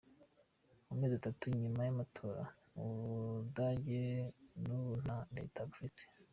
Amezi atatu inyuma y'amatora, Ubudagi n'ubu nta reta bufise.